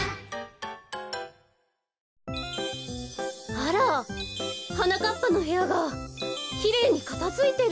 あらはなかっぱのへやがきれいにかたづいてる。